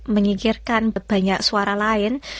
menyikirkan banyak suara lain